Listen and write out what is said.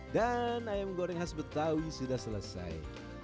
dan ayam goreng khas betawi sudah selesai